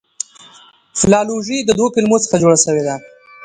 فلالوژي د دوو کلمو څخه جوړه سوې ده.